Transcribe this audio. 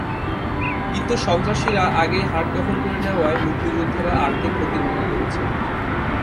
কিন্তু সন্ত্রাসীরা আগেই হাট দখল করে নেওয়ায় মুক্তিযোদ্ধারা আর্থিক ক্ষতির মুখে পড়েছেন।